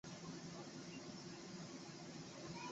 相对论引起了学生们的强烈求知意愿。